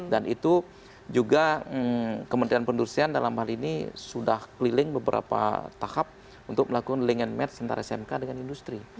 dan itu juga kementerian penduduk seian dalam hal ini sudah keliling beberapa tahap untuk melakukan link and match antara smk dengan industri